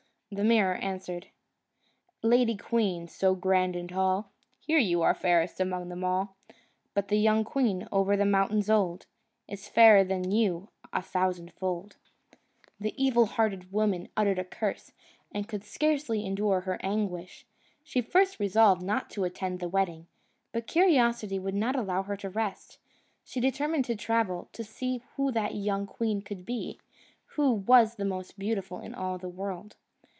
The mirror answered: "Lady queen, so grand and tall, Here, you are fairest among them all; But the young queen over the mountains old, Is fairer than you a thousandfold." The evil hearted woman uttered a curse, and could scarcely endure her anguish. She first resolved not to attend the wedding, but curiosity would not allow her to rest. She determined to travel, and see who that young queen could be, who was the most beautiful in all the world.